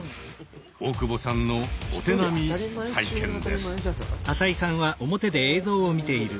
大久保さんのお手並み拝見です。